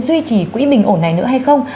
duy trì quỹ bình ổn này nữa hay không